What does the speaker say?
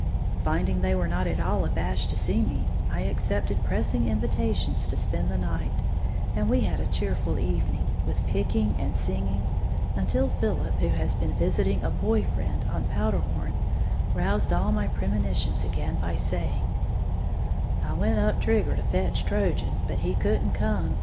Finding they were not at all abashed to see me, I accepted pressing invitations to spend the night, and we had a cheerful evening, with picking and singing, until Philip, who has been visiting a boy friend on Powderhorn, roused all my premonitions again by saying, "I went up Trigger to fetch Trojan; but he couldn't come.